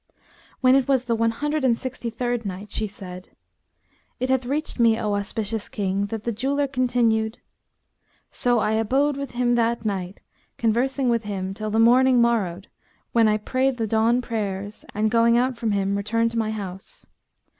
When it was the One Hundred and Sixty third Night, She said, It hath reached me, O auspicious King, that the jeweller continued:—"So I abode with him that night conversing with him till the morning morrowed, when I prayed the dawn prayers and, going out from him, returned to my house.